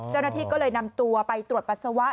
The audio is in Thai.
เจ้าหน้าที่ก็เลยนำตัวไปตรวจปัสสาวะ